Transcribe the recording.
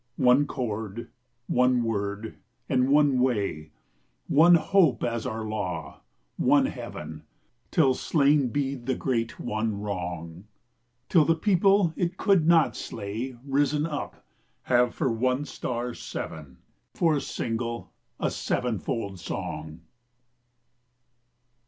One chord, one word, and one way, One hope as our law, one heaven, Till slain be the great one wrong; Till the people it could not slay, Risen up, have for one star seven, For a single, a sevenfold song.